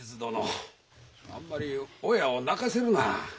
あんまり親を泣かせるな。